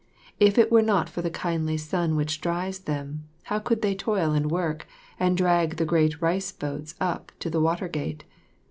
If it were not for the kindly sun which dries them, how could they toil and work and drag the great rice boats up to the water gate?